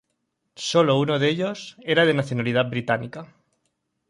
Sólo uno de ellos era de nacionalidad británica.